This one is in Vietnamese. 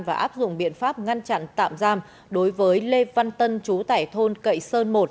và áp dụng biện pháp ngăn chặn tạm giam đối với lê văn tân chú tải thôn cậy sơn một